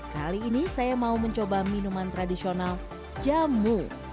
kali ini saya mau mencoba minuman tradisional jamu